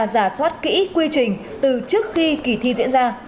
giả soát kỹ quy trình từ trước khi kỳ thi diễn ra